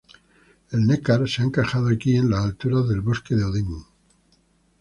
El Neckar se ha encajado aquí en las alturas del bosque de Oden.